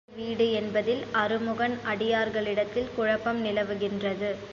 ஆறுபடை வீடு என்பதில் அறுமுகன் அடியார்களிடத்தில் குழப்பம் நிலவுகின்றது.